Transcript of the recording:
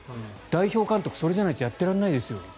代表監督それじゃないとやってられないです。